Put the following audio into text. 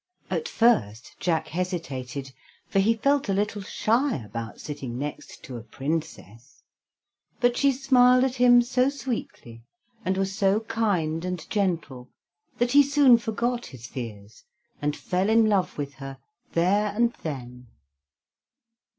At first Jack hesitated, for he felt a little shy about sitting next to a Princess, but she smiled at him so sweetly, and was so kind and gentle, that he soon forgot his fears and fell in love with her there and then.